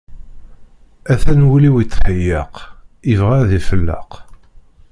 Ata wul-iw itxeyyeq, ibɣa ad ifelleq.